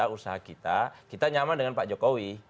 usaha kita kita nyaman dengan pak jokowi